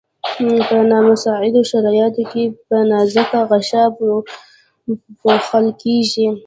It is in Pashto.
په نامساعدو شرایطو کې په نازکه غشا پوښل کیږي.